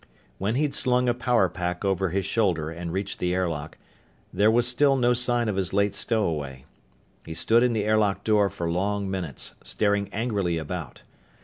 When he'd slung a power pack over his shoulder and reached the airlock, there was still no sign of his late stowaway. He stood in the airlock door for long minutes, staring angrily about.